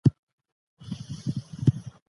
انګلیسانو څارنې زیاتې کړې.